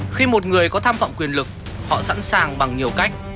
khi một người có tham vọng quyền lực họ sẵn sàng bằng nhiều cách